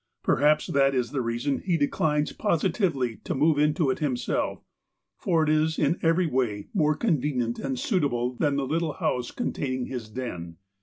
Perhaps that is the reason he de chnes positively to move into it himself, for it is in every way more convenient and suitable than the little house containing his den.